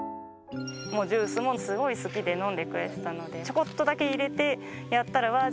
ジュースもすごい好きで飲んでくれてたのでちょこっとだけ入れてやったらわあ